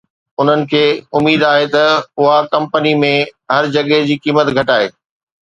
انهن کي اميد آهي ته اها ڪمپني ۾ هر جڳهه جي قيمت گھٽائي